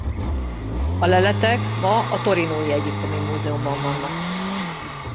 A leletek ma a torinói Egyiptomi Múzeumban vannak.